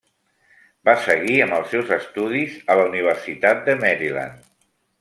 Va seguir amb els seus estudis a la Universitat de Maryland.